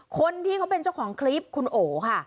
คนที่เขาเป็นช่วงคลิปคุณโอ้ค่ะ